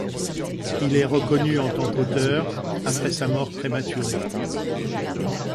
Il est reconnu en tant qu'auteur après sa mort prématurée.